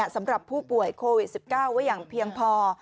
สำหรับผู้ป่วยโควิด๑๙ไว้อย่างเพียงพอ